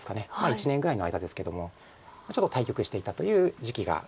１年ぐらいの間ですけどもちょっと対局していたという時期が。